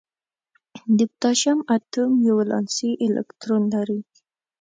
د پوتاشیم اتوم یو ولانسي الکترون لري.